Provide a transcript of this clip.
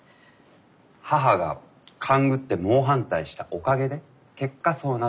母が勘ぐって猛反対したおかげで結果そうなった。